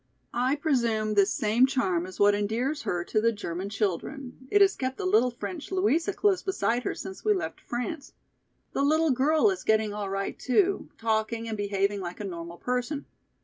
"I presume this same charm is what endears her to the German children; it has kept the little French Louisa close beside her since we left France. The little girl is getting all right too, talking and behaving like a normal person.